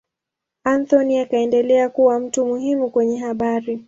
Anthony akaendelea kuwa mtu muhimu kwenye habari.